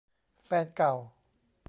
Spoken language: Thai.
แฟนเก่า